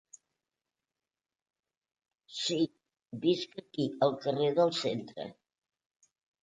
Si, visc aquí al carrer del centre.